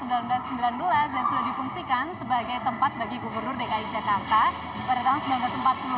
tahun sudah difungsikan sebagai tempat bagi gubernur dki jakarta pada tahun seribu sembilan ratus empat puluh